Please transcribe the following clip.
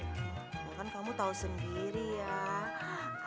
ya kan kamu tahu sendiri ya